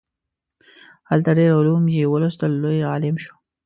هلته ډیر علوم یې ولوستل لوی عالم شو.